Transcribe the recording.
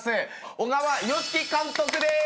小川良樹監督です！